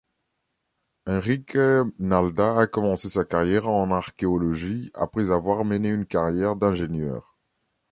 Enrique Nalda a commencé sa carrière en archéologie après avoir mené une carrière d'ingénieur.